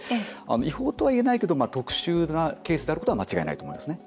違法とはいえないけど特殊なケースであることは間違いないと思いますね。